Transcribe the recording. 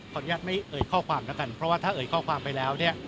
อนุญาตไม่เอ่ยข้อความแล้วกันเพราะว่าถ้าเอ่ยข้อความไปแล้วเนี่ย